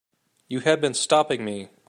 You have been stopping me.